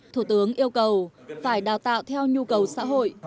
thủ tướng yêu cầu phải đào tạo theo nhu cầu xã hội